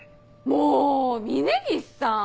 もう峰岸さん！